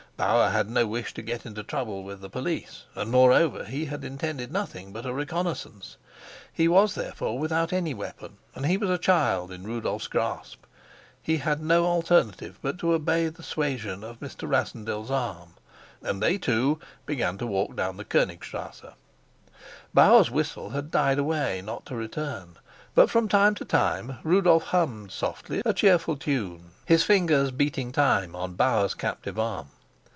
Bauer had no wish to get into trouble with the police, and, moreover, he had intended nothing but a reconnaissance; he was therefore without any weapon, and he was a child in Rudolf's grasp. He had no alternative but to obey the suasion of Mr. Rassendyll's arm, and they two began to walk down the Konigstrasse. Bauer's whistle had died away, not to return; but from time to time Rudolf hummed softly a cheerful tune, his fingers beating time on Bauer's captive arm.